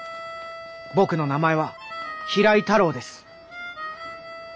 僕の名前は平井太郎です。